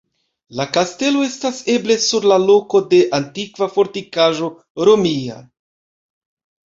La kastelo estas eble sur la loko de antikva fortikaĵo romia.